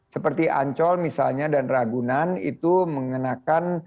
seperti ancol misalnya dan ragunan itu mengenakan